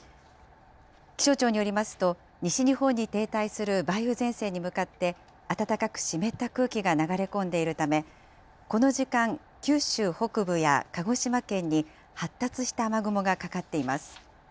気象庁によりますと、西日本に停滞する梅雨前線に向かって、暖かく湿った空気が流れ込んでいるため、この時間、九州北部や鹿児島県に発達した雨雲がかかっています。